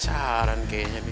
caran kayaknya bi